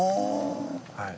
はい。